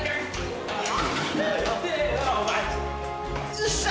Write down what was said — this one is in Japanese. よっしゃ！